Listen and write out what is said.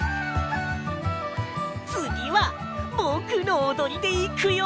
つぎはぼくのおどりでいくよ。